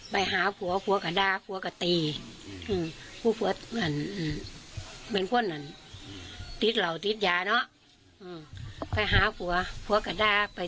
ไปนอนอยู่ใส่มันกลับไปนอนมาได้